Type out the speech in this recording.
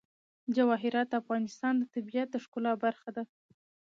جواهرات د افغانستان د طبیعت د ښکلا برخه ده.